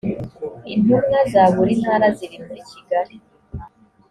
intumwa za buri ntara ziri muri kigali.